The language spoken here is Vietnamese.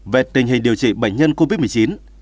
về tình hình điều trị bệnh nhân covid một mươi chín